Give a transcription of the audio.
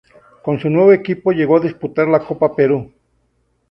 Con su nuevo equipo llegó a disputar la Copa Perú.